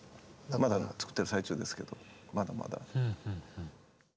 まだ作ってる最中ですけどまだまだ。